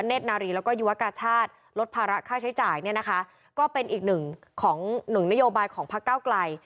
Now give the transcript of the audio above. นารีแล้วก็ยุวกาชาติลดภาระค่าใช้จ่ายเนี่ยนะคะก็เป็นอีกหนึ่งของหนึ่งนโยบายของพักเก้าไกล